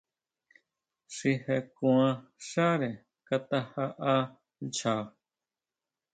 Xi je kuan xáre Kata jaʼa ncha.